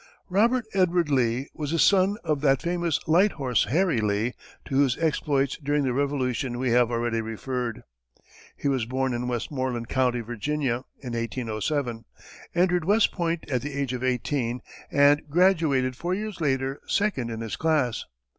Robert Edward Lee was a son of that famous "Light Horse Harry" Lee to whose exploits during the Revolution we have already referred. He was born in Westmoreland County, Virginia, in 1807, entered West Point at the age of eighteen, and graduated four years later, second in his class.